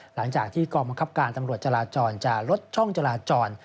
หลังจากที่กองบังคับการตำรวจจราจรจะลดช่องจราจร